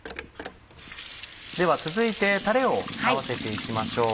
では続いてタレを合わせて行きましょう。